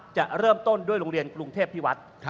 จะเริ่มต้นด้วยโรงเรียนกรุงเทพพิวัฒน์